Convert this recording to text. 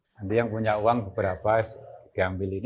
nanti yang punya uang beberapa diambil ini